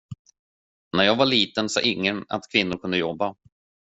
När jag var liten sa ingen att kvinnor kunde jobba.